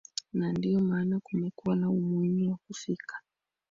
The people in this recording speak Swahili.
na ndio maana kumekuwa na umuhimu wa kufika